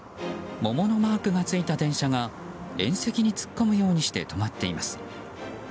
桃のマークがついた電車が縁石に突っ込むようにして止まっています。